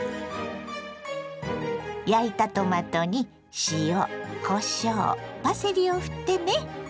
焼いたトマトに塩こしょうパセリをふってね。